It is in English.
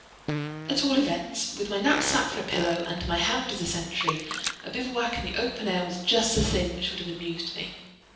At all events, with my knapsack for a pillow, and my hound as a sentry, a bivouac in the open air was just the thing which would have amused me.